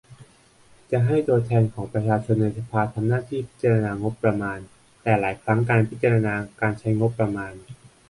จะให้ตัวแทนของประชาชนในสภา ทำหน้าที่พิจารณางบประมาณ แต่หลายครั้งการพิจารณาการใช้งบประมาณ